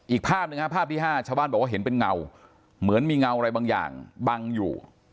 อีกภาพหนึ่งฮะภาพที่๕ชาวบ้านบอกว่าเห็นเป็นเงาเหมือนมีเงาอะไรบางอย่างบังอยู่